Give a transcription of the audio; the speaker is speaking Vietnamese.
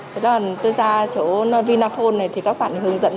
thế là tôi ra chỗ vinaphone này thì các bạn hướng dẫn